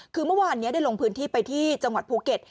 คือเมื่อวานนี้ได้ลงพื้นที่ไปที่จังหวัดภูเก็ต